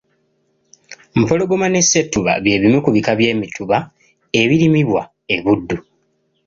Mpologoma ne ssettuba byebimu ku bika by’emituba ebirimibwa e Buddu.